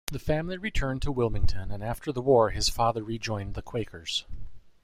The family returned to Wilmington and after the war his father rejoined the Quakers.